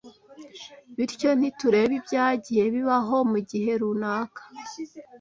bityo nitureba ibyagiye bibaho mu gihe runaka